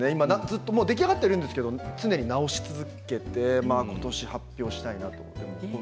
出来上がってるんだけど常に直し続けて今年発表したいなと思って。